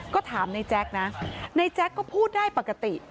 ก็ถามในแจ๊คนะในแจ๊กก็พูดได้ปกติ